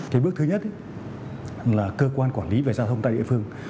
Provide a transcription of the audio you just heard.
cái bước thứ nhất là cơ quan quản lý về giao thông tại địa phương